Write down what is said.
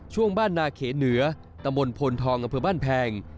ช่วงบ้านนาเขเหนือตำบลพลทองอำเภอบ้านแพง